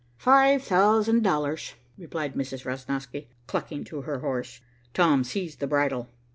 "Five thousand dollars," replied Mrs. Rosnosky, clucking to her horse. Tom seized the bridle.